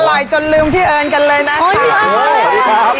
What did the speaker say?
อร่อยจนลืมพี่เอิญกันเลยนะ